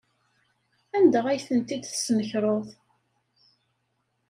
Anda ay tent-id-tesnekreḍ?